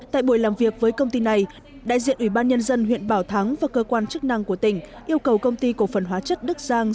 tại buổi làm việc với công ty này đại diện ủy ban nhân dân huyện bảo thắng và cơ quan chức năng của tỉnh yêu cầu công ty cổ phần hóa chất đức giang